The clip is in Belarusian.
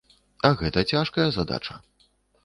А гэта цяжкая задача.